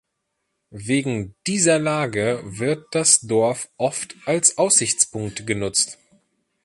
Wegen dieser Lage wird das Dorf oft als Aussichtspunkt genutzt.